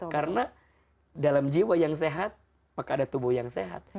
karena dalam jiwa yang sehat maka ada tubuh yang sehat